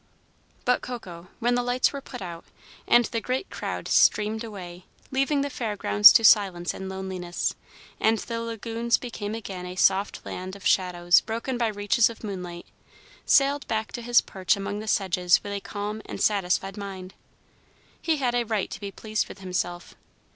But Coco, when the lights were put out and the great crowd streamed away, leaving the Fair Grounds to silence and loneliness, and the lagoons became again a soft land of shadows broken by reaches of moonlight, sailed back to his perch among the sedges with a calm and satisfied mind. He had a right to be pleased with himself.